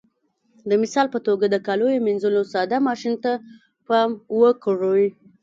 د مثال په توګه د کاليو منځلو ساده ماشین ته پام وکړئ.